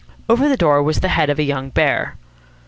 Over the door was the head of a young bear.